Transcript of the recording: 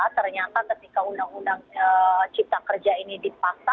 ternyata ketika undang undang ciptakerja ini dipaksakan